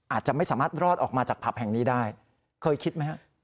อาจจะไม่สามารถรอดออกมาจากผับแห่งนี้ได้เคยคิดไหมฮะ